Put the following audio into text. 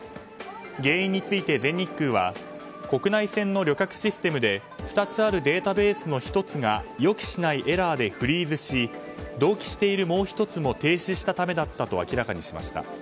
原因について全日空は国内線の旅客システムで２つあるデータベースの１つが予期しないエラーでフリーズし同期しているもう１つも停止したためだったと明らかにしました。